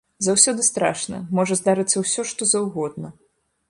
Заўсёды страшна, можа здарыцца ўсё што заўгодна.